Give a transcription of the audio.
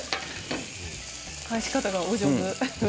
返し方がお上手。